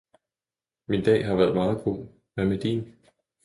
Min dag har været meget god, hvad med din?